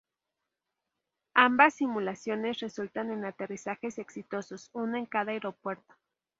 Ambas simulaciones resultan en aterrizajes exitosos, uno en cada aeropuerto.